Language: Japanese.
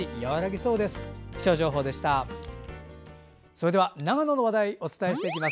それでは長野の話題をお伝えします。